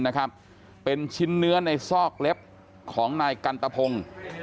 นะครับเป็นชิ้นเนื้อในซอกเล็บของนายกันตะพงศ์